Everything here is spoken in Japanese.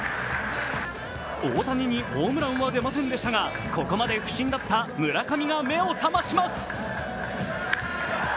大谷にホームランは出ませんでしたがここまで不振だった村上が目を覚まします。